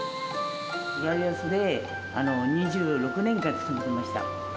浦安で２６年間勤めてました。